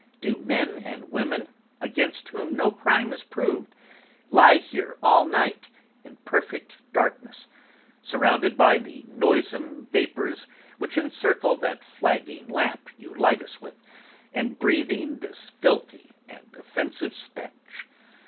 Do men and women, against whom no crime is proved, lie here all night in perfect darkness, surrounded by the noisome vapours which encircle that flagging lamp you light us with, and breathing this filthy and offensive stench!